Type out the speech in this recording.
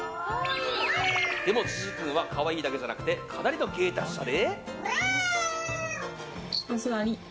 でもジジ君は可愛いだけじゃなくかなりの芸達者で。